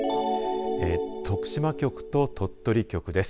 徳島局と鳥取局です。